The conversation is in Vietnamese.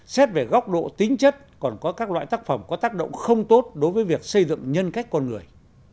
xét về góc độ tính chất còn có các loại tác phẩm có tác động không tốt đối với việc xây dựng nhân cách con người